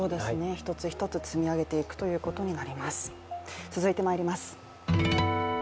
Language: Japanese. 一つ一つ積み上げていくことになります。